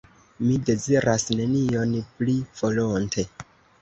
Mi deziras nenion pli volonte.